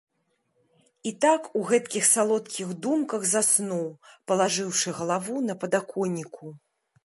І так у гэткіх салодкіх думках заснуў, палажыўшы галаву на падаконніку.